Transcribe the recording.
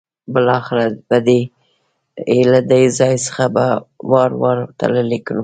بالاخره یې له دې ځای څخه په وار وار تللی ګڼم.